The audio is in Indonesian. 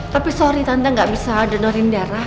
tapi sorry tanda gak bisa donorin darah